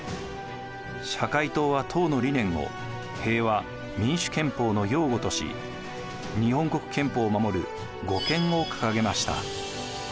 社会党は党の理念を平和民主憲法の擁護とし日本国憲法を守る護憲を掲げました。